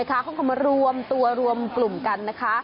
เขาก็มารวมตัวรวมกลุ่มกันนะคะ